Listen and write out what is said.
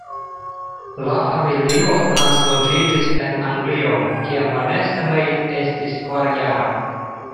La familio transloĝiĝis en Anglion, kiam Vanessa-Mae estis kvarjara.